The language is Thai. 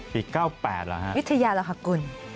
ปี๙๘เหรอครับวิทยาละครับกุล